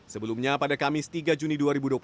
sebelumnya pada kamis tiga juni dua ribu dua puluh